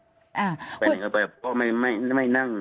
อืมฆ่าให้หมดนะครับมันกลัวมากกว่าชีวิตนะครับผมต้องมาฆ่าเหมือนกันนะครับ